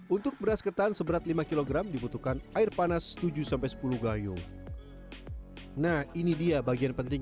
untuk beras ketan seberat lima kg dibutuhkan air panas tujuh sepuluh gayung nah ini dia bagian penting